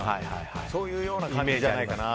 そういうような感じじゃないかなと。